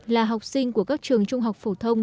là học sinh của các trường trung học phổ thông